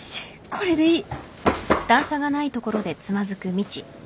これでいい